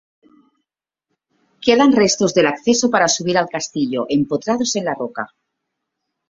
Quedan restos de las acceso para subir al castillo, empotrados en la roca.